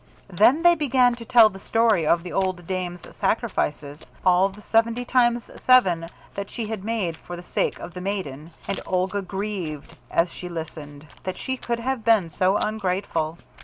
Then they began to tell the story of the old dame's sacrifices, all the seventy times seven that she had made for the sake of the maiden, and Olga grieved as she listened, that she could have been so ungrateful.